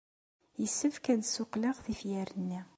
Yessefk ad d-ssuqqleɣ tifyar-nni.